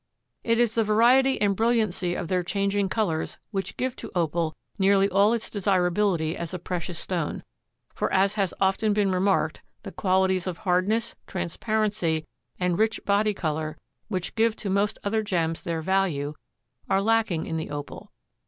It is the variety and brilliancy of their changing colors which give to Opal nearly all its desirability as a precious stone, for, as has often been remarked, the qualities of hardness, transparency and rich body color which give to most other gems their value are lacking in the Opal.